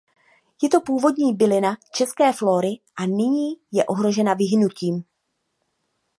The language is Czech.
Je to původní bylina české flory a nyní je ohrožena vyhynutím.